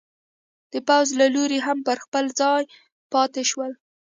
د پوځ له لوري هم پر خپل ځای پاتې شول.